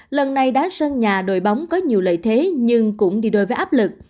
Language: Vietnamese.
lần này đá sân nhà đội bóng có nhiều lợi thế nhưng cũng đi đôi với áp lực